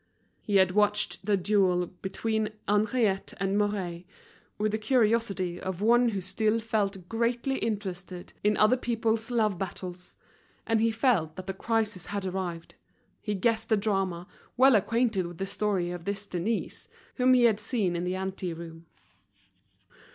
He had watched the duel between Henriette and Mouret with the curiosity of one who still felt greatly interested in other people's love battles; and he felt that the crisis had arrived, he guessed the drama, well acquainted with the story of this Denise, whom he had seen in the ante room.